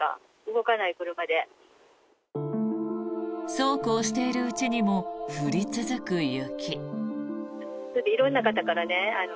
そうこうしているうちにも降り続く雪。